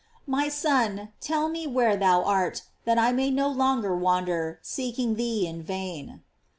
'^ My Son, tell me where thou art, that I may no longer wander, seeking thee in vain.